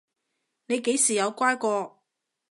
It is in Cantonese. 你幾時有乖過？